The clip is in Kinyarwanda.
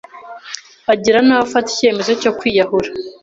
agera n’aho afata icyemezo cyo kwiyahura